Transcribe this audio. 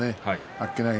あっけない